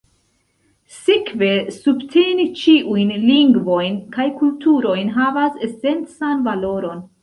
Sekve, subteni ĉiujn lingvojn kaj kulturojn havas esencan valoron.